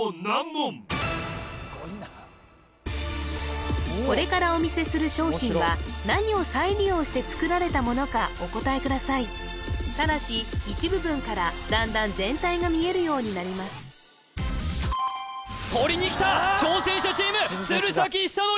すごいなこれからお見せする商品は何を再利用して作られたものかお答えくださいただし一部分からとりにきた挑戦者チーム鶴崎修功